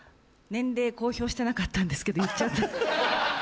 年齢公表してなかったんですけど言っちゃった。